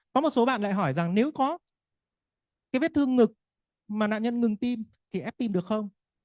có một số bạn lại hỏi rằng nếu có cái vết thương ngực mà nạn nhân ngừng tim thì ép tim được không